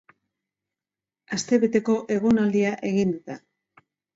Astebeteko egonaldia egin dute.